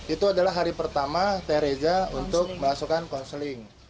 itu adalah hari pertama t reza untuk melaksukkan konseling